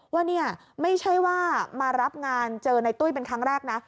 ว่าเนี่ยไม่ใช่ว่ามารับงานเจอในตุ้ยเป็นครั้งแรกนะ